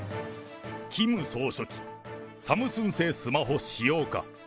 キム総書記、サムスン製スマホ使用か。